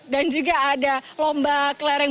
dan juga ada lomba kelereng